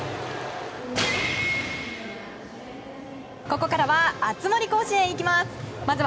ここからは「熱盛甲子園」いきます！